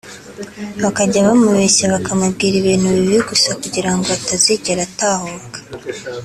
bakajya bamubeshya bakamubwira ibintu bibi gusa kugira ngo atazigera atahuka